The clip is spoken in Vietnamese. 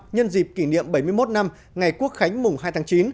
nhân dịp kỷ niệm bảy mươi một năm ngày quốc khánh mùng hai tháng chín